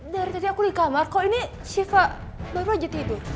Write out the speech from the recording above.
dari tadi aku di kamar kok ini shiva baru aja tidur